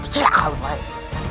cekal lu baik